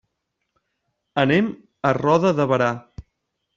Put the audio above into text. Anem a Roda de Berà.